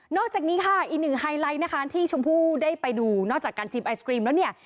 อกจากนี้ค่ะอีกหนึ่งไฮไลท์นะคะที่ชมพู่ได้ไปดูนอกจากการชิมไอศกรีมแล้วเนี่ย